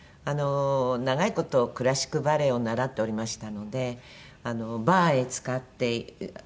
長い事クラシックバレエを習っておりましたのでバーを使って持って。